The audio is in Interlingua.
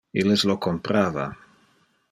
Illes lo comprava.